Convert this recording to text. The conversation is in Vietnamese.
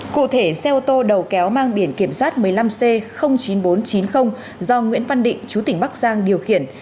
cụ thể xe ô tô đầu kéo mang biển kiểm soát một mươi năm c chín nghìn bốn trăm chín mươi do nguyễn văn định chú tỉnh bắc giang điều khiển